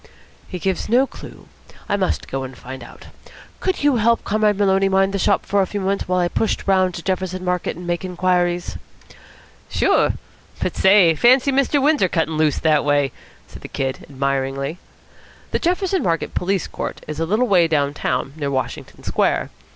"He gives no clue. I must go and find out. Could you help Comrade Maloney mind the shop for a few moments while I push round to Jefferson Market and make inquiries?" "Sure. But say, fancy Mr. Windsor cuttin' loose that way!" said the Kid admiringly. The Jefferson Market Police Court is a little way down town, near Washington Square.